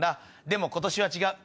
でも今年は違う。